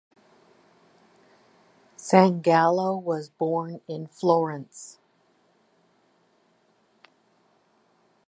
Sangallo was born in Florence.